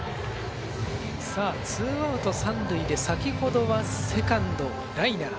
ツーアウト三塁で先ほどはセカンドライナー。